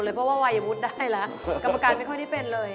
เฮ้ยผมก็หมดสิทธิ์